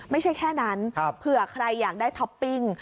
ไม่ใช่แค่นั้นเผื่อใครอยากได้ท็อปปิ้ง